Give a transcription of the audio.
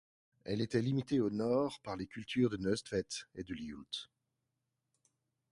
Elle était limitée au nord par les cultures de Nøstvet et de Lihult.